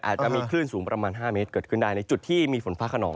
อาจจะมีคลื่นสูงประมาณ๕เมตรเกิดขึ้นได้ในจุดที่มีฝนฟ้าขนอง